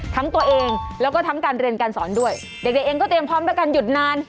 ตัวเองแล้วก็ทั้งการเรียนการสอนด้วยเด็กเองก็เตรียมพร้อมด้วยกันหยุดนาน